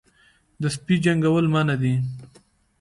د سپي جنګول منع دي